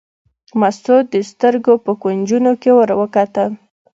مستو د سترګو په کونجونو کې ور وکتل.